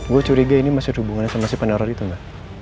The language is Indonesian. gue curiga ini masih ada hubungannya sama si peneror itu enggak